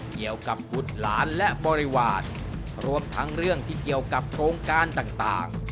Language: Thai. เกี่ยวกับบุตรหลานและบริวารรวมทั้งเรื่องที่เกี่ยวกับโครงการต่าง